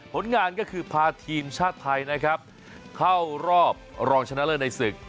ผลงานก็คือพาทีมชาติไทยนะครับเข้ารอบรองชนะเลิศในศึก